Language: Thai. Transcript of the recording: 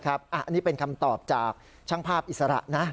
อันนี้เป็นคำตอบจากช่างภาพอิสระนะ